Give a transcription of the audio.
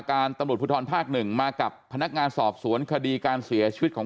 การตำรวจภูทรภาคหนึ่งมากับพนักงานสอบสวนคดีการเสียชีวิตของ